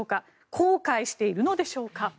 後悔しているのでしょうか。